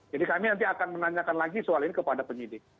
jadi kami nanti akan menanyakan lagi soal ini kepada penyidik